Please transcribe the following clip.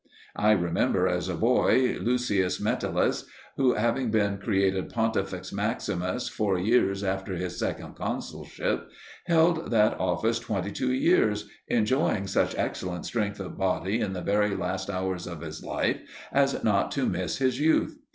I remember as a boy Lucius Metellus, who having been created Pontifex Maximus four years after his second consulship, held that office twenty two years, enjoying such excellent strength of body in the very last hours of his life as not to miss his youth.